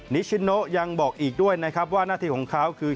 นิชิโนยังบอกอีกด้วยนะครับว่าหน้าที่ของเขาคือ